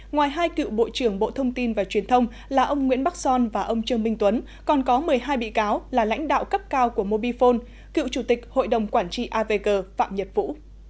ngoài hai cựu bộ trưởng bộ thông tin và truyền thông là ông nguyễn bắc son và ông trương minh tuấn còn có một mươi hai bị cáo là lãnh đạo cấp cao của mobifone cựu chủ tịch hội đồng quản trị avg phạm nhật vũ